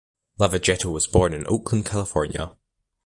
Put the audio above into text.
Lavagetto was born in Oakland, California.